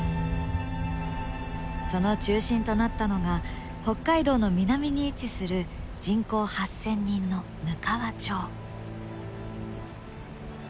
その中心となったのが北海道の南に位置する人口８，０００人のむかわ町。